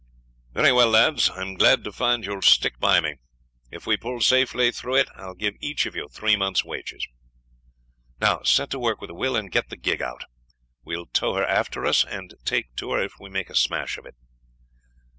"Very well, lads, I am glad to find you will stick by me; if we pull safely through it I will give each of you three months' wages. Now set to work with a will and get the gig out. We will tow her after us, and take to her if we make a smash of it."